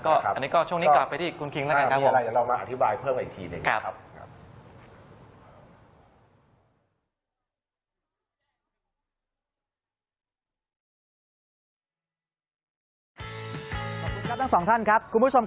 อันนี้ก็ช่วงนี้กลับไปที่คุณคิงแล้วกันครับผม